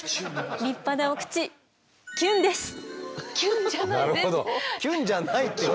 立派なお口キュンじゃない全然。